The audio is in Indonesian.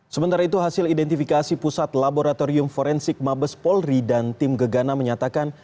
sementara itu hasil identifikasi pusat laboratorium forensik mabes polri dan tim gegana menyatakan